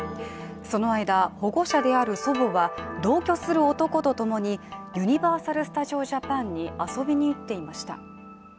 その間、保護者である祖母は同居する男とともにユニバーサル・スタジオ・ジャパンに遊びに行っていました。